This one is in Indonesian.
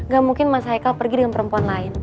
gak mungkin mas haikal pergi dengan perempuan lain